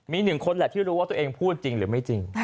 มีหนึ่งคนแหละที่รู้ว่าตัวเองพูดจริงหรือไม่จริง